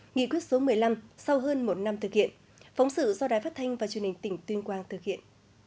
nghị quyết số một mươi năm sau hơn một năm thực hiện phóng sự do đài phát thanh và truyền hình tỉnh tuyên quang thực hiện